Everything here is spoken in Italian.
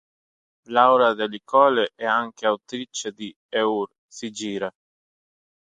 Laura Delli Colli è anche autrice di: "Eur, si gira.